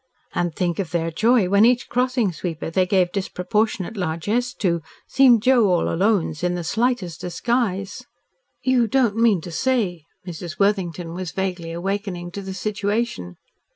And think of their joy when each crossing sweeper they gave disproportionate largess to, seemed Joe All Alones in the slightest disguise." "You don't mean to say " Mrs. Worthington was vaguely awakening to the situation.